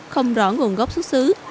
không rõ nguồn gốc xuất xứ